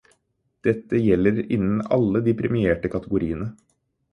Dette gjelder innen alle de premierte kategoriene.